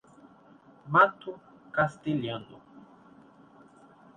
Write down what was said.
Mato Castelhano